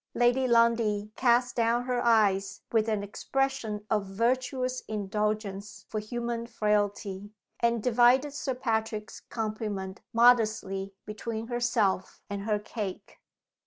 Lady Lundie cast down her eyes, with an expression of virtuous indulgence for human frailty, and divided Sir Patrick's compliment modestly between herself and her cake.